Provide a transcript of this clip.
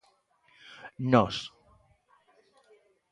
'Nós'.